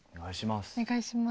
お願いします。